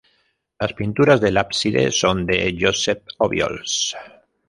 Las pinturas del ábside son de Josep Obiols.